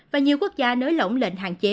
và nhiều quốc gia nới lỏng lệnh hạn chế